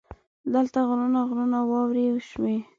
دلته غرونه غرونه واورې شوي.